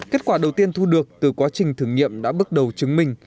kết quả đầu tiên thu được từ quá trình thử nghiệm đã bước đầu chứng minh